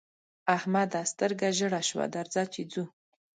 احمده! سترګه ژړه شوه؛ درځه چې ځو.